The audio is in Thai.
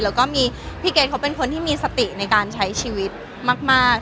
แล้วก็มีพี่เกดเขาเป็นคนที่มีสติในการใช้ชีวิตมาก